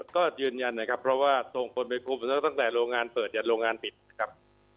ก็ยืนยันนะครับเพราะว่าส่งคนไปคุมแล้วตั้งแต่โรงงานเปิดยันโรงงานปิดนะครับ